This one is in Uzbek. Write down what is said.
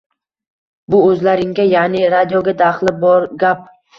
Bu o‘zlaringga, ya’ni radioga daxli bor gap.